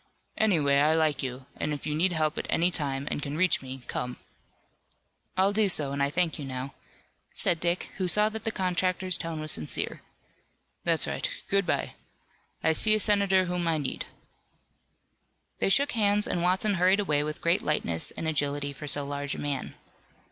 Anyway, I like you, and if you need help at any time and can reach me, come." "I'll do so, and I thank you now," said Dick, who saw that the contractor's tone was sincere. "That's right, good bye. I see a senator whom I need." They shook hands and Watson hurried away with great lightness and agility for so large a man.